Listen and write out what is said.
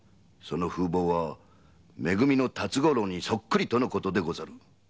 その風貌はめ組の辰五郎にそっくりとのことでござる。